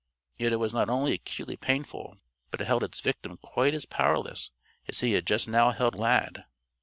Yet it was not only acutely painful, but it held its victim quite as powerless as he had just now held Lad.